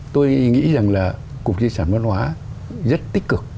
tôi nghĩ rằng là cục di sản văn hóa rất tích cực